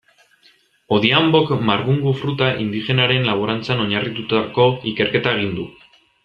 Odhiambok marbungu fruta indigenaren laborantzan oinarritututako ikerketa egin du.